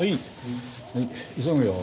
はい急ぐよ。